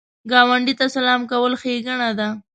ګاونډي ته سلام کول ښېګڼه ده